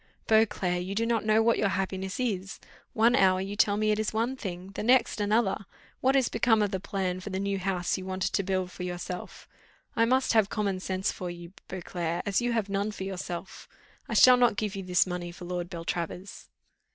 "Beauclerc, you do not know what your happiness is. One hour you tell me it is one thing, the next another. What is become of the plan for the new house you wanted to build for yourself? I must have common sense for you, Beauclerc, as you have none for yourself. I shall not give you this money for Lord Beltravers."